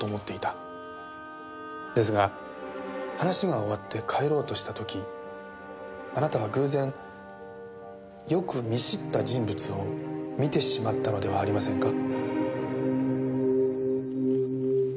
ですが話が終わって帰ろうとした時あなたは偶然よく見知った人物を見てしまったのではありませんか？